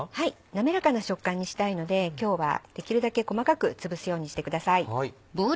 滑らかな食感にしたいので今日はできるだけ細かくつぶすようにしてください。